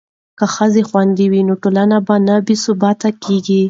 که ښځې خوندي وي نو ټولنه نه بې ثباته کیږي.